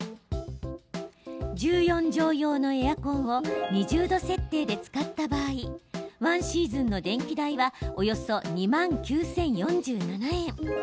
１４畳用のエアコンを２０度設定で使った場合１シーズンの電気代はおよそ２万９０４７円。